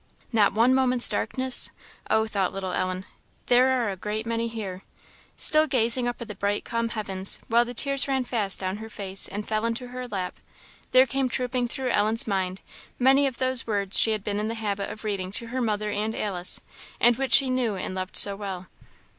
" 'Not one moment's darkness?' Oh," thought little Ellen, "there are a great many here!" Still gazing up at the bright, calm heavens, while the tears ran fast down her face, and fell into her lap, there came trooping through Ellen's mind many of those words she had been in the habit of reading to her mother and Alice, and which she knew and loved so well.